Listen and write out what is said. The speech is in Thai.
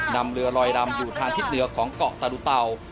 นำเรือลอยลำอยู่ทางทิศเหนือของเกาะตาดูเตา